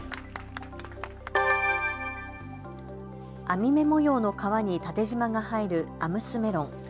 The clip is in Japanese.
網目模様の皮に縦じまが入るアムスメロン。